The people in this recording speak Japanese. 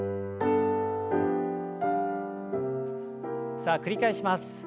さあ繰り返します。